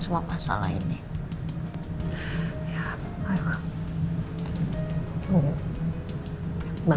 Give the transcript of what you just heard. semua pasal lainnya